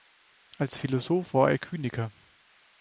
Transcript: Als Philosoph war er Kyniker.